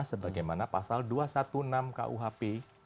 sebagaimana pasal dua ratus enam belas kuhp